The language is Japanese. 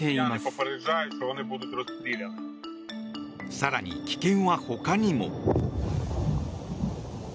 更に、危険は他にも。